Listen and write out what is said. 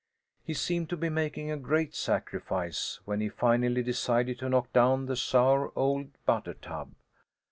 He seemed to be making a great sacrifice when he finally decided to knock down the sour old butter tub.